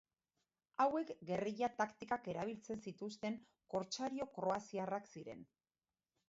Hauek gerrilla taktikak erabiltzen zituzten kortsario kroaziarrak ziren.